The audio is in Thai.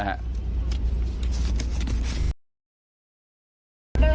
เดินตามทีมันทุกคน